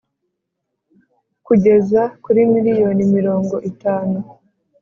kugeza kuri miriyoni mirongo itanu